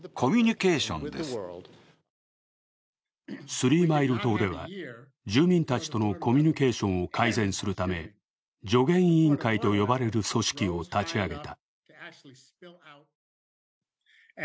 スリーマイル島では、住民たちとのコミュニケーションを改善するため助言委員会と呼ばれる組織を立ち上げた。